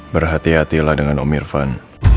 berhati hatilah dengan om irfan